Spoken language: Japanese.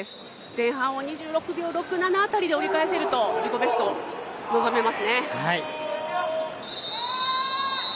前半を２６秒６７あたりで折り返すと自己ベスト望めますね。